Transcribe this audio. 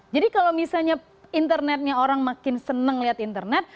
jadi kalau misalnya internetnya orang makin senang lihat internet